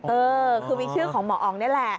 เออคือมีชื่อของหมออ๋องนี่แหละ